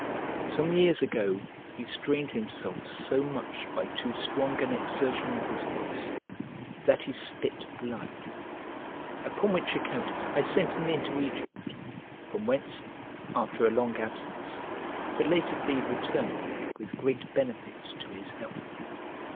Some years ago he strained himself so much by too strong an exertion of his voice, that he spit blood, upon which account I sent him into Egypt; from whence, after a long absence, belately returned with great benefit to his health.